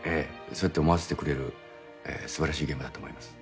そうやって思わせてくれる素晴らしい現場だと思います。